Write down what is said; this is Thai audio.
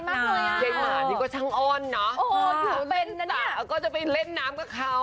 แต่ถ้าอยากเป็นก็จะไปเล่นน้ำกับเขา